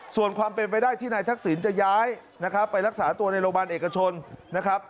ส่วนความเป็นไปได้ที่นายทักษิณจะย้ายนะครับไปรักษาตัวในโรงพยาบาลเอกชนนะครับ